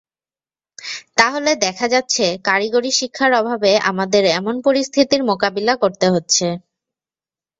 তাহলে দেখা যাচ্ছে, কারিগরি শিক্ষার অভাবে আমাদের এমন পরিস্থিতির মোকাবিলা করতে হচ্ছে।